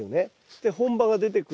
で本葉が出てくる。